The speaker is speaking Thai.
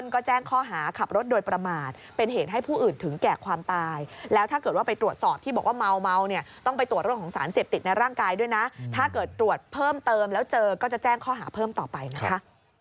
ก็แจ้งข้อหาขับรถโดยประมาทเป็นเหตุให้ผู้อื่นถึงแก่ความตายแล้วถ้าเกิดว่าไปตรวจสอบที่บอกว่าเมาเนี่ยต้องไปตรวจเรื่องของสารเสพติดในร่างกายด้วยนะถ้าเกิดตรวจเพิ่มเติมแล้วเจอก็จะแจ้งข้อหาเพิ่มต่อไปนะคะ